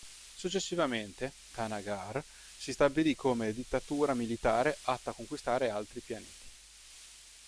Successivamente, Thanagar si stabilì come dittatura militare atta a conquistare altri pianeti.